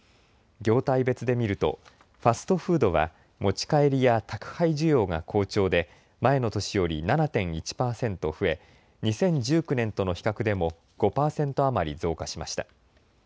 業態別で見ると、ファストフードは持ち帰りや宅配需要が好調で、前の年より７．１％増え、２０１９年との比較でも５％余り増加しました。